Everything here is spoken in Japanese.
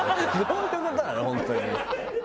本当に。